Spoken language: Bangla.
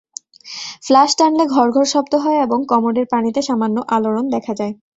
ফ্ল্যাশ টানলে ঘড়ঘড় শব্দ হয় এবং কমোডের পানিতে সামান্য আলোড়ন দেখা যায়।